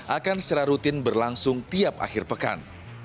akan secara rutin berlangsung tiap akhir pekan